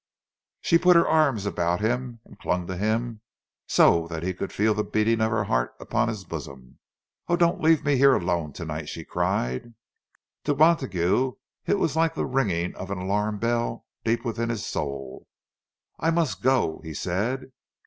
She put her arms about him, and clung to him so that he could feel the beating of her heart upon his bosom. "Oh, don't leave me here alone to night!" she cried. To Montague it was like the ringing of an alarm bell deep within his soul. "I must go," he said.